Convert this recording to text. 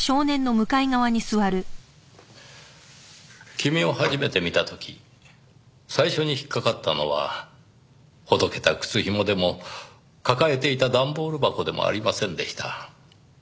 君を初めて見た時最初に引っかかったのはほどけた靴ひもでも抱えていた段ボール箱でもありませんでした。